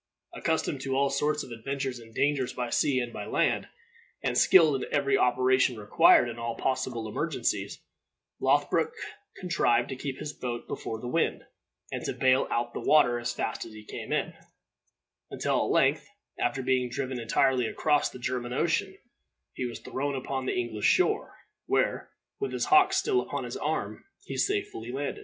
Accustomed to all sorts of adventures and dangers by sea and by land, and skilled in every operation required in all possible emergencies, Lothbroc contrived to keep his boat before the wind, and to bail out the water as fast as it came in, until at length, after being driven entirely across the German Ocean, he was thrown upon the English shore, where, with his hawk still upon his arm, he safely landed.